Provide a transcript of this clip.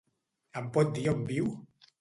Em pot dir on viu?